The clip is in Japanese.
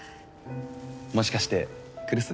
もしかして来栖？